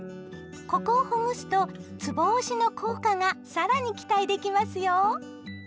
ここをほぐすとつぼ押しの効果が更に期待できますよ！